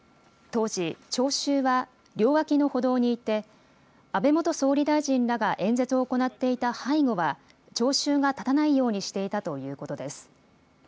当時、聴衆は両脇の歩道にいて、安倍元総理大臣らが演説を行っていた背後は、聴衆が立たないようにしていたということです。